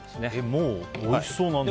もうおいしそう。